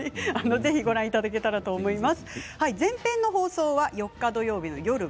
ぜひご覧いただきたいと思います。